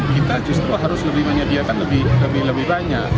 kita justru harus lebih menyediakan lebih banyak